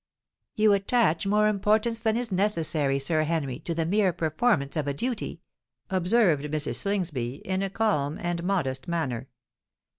"You attach more importance than is necessary, Sir Henry, to the mere performance of a duty," observed Mrs. Slingsby, in a calm and modest manner.